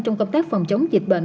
trong công tác phòng chống dịch bệnh